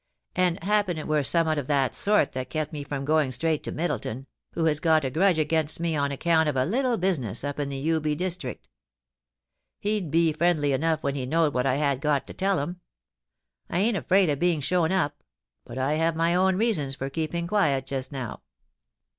And happen it were summat of that sort that kept me from going straight to Middleton, who has got a grudge against me on account of a little business up in the Ubi dis trict ; he'd be friendly enough when he knowed what I had got to tell him. I ain't afraid of being shown up, but I have my own reasons for keeping quiet just now.'